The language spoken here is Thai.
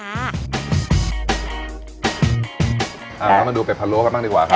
เอามาดูเป็ดพะโล้กันบ้างดีกว่าครับ